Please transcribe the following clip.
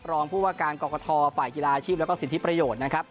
รองผู้ว่าการกรกฐฝ่ายกีฬาอาชีพแล้วก็สิทธิประโยชน์นะครับ